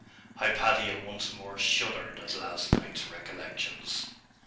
Hypatia once more shuddered at last night's recollections.